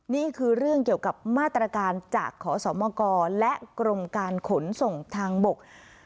นี่คือเรื่องเกี่ยวกับมาตรการจากขอสมกและกรมการขนส่งทางบก